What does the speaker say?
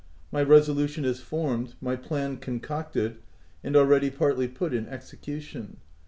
My resolution is formed my plan concocted, and already partly put in execution.